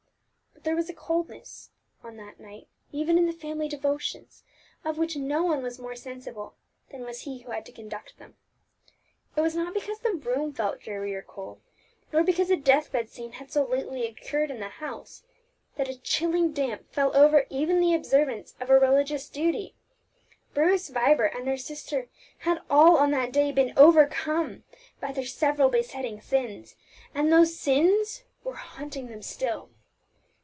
But there was a coldness, on that night, even in the family devotions, of which no one was more sensible than was he who had to conduct them. It was not because the room felt dreary and cold, nor because a death bed scene had so lately occurred in the house, that a chilling damp fell over even the observance of a religious duty: Bruce, Vibert, and their sister had all on that day been overcome by their several besetting sins, and those sins were haunting them still.